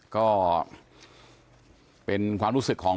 ก็เป็นความรู้สึกของ